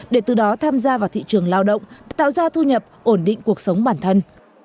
để từ đó tham gia vào thị trường lao động tạo ra thu nhập ổn định cuộc sống bản thân